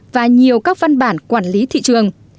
và nhiều các văn bản quản lý thị trường